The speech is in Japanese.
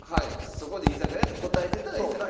そこで「居酒屋」って答えてたら居酒屋です。